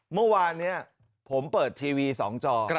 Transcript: เมื่อวานนี้ผมเปิดทีวี๒จอ